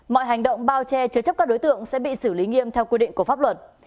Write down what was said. mọi hành động bao che chứa chấp các đối tượng sẽ bị xử lý nghiêm theo quy định của pháp luật